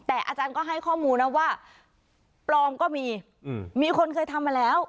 แต่อาจารย์ก็ให้ข้อมูลนะว่าปลอมก็มีมีคนเคยทำมาแล้ว